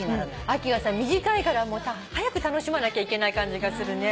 秋はさ短いから早く楽しまなきゃいけない感じがするね。